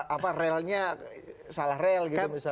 apa realnya salah real gitu